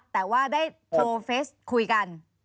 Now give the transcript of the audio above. แต่ว่าได้โชว์เฟสคุยกัน